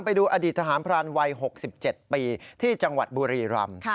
ไปดูอดีตทหารพรานวัย๖๗ปีที่จังหวัดบุรีรำ